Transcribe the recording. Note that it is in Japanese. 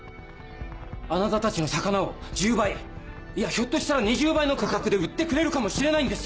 あなたたちの魚を１０倍いやひょっとしたら２０倍の価格で売ってくれるかもしれないんですよ！